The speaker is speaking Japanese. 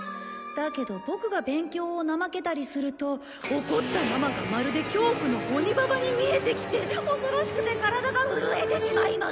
「だけどぼくが勉強を怠けたりすると怒ったママがまるで恐怖の鬼ババに見えてきて恐ろしくて体が震えてしまいます！」